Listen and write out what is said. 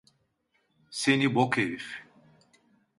Seni bok herif!